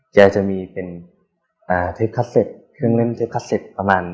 แจ็จะมีเครื่องเล่นเทปคาสเซตประมาณ